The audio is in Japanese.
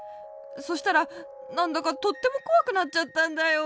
そしたらなんだかとってもこわくなっちゃったんだよ。